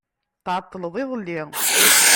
Tεeṭṭleḍ iḍelli.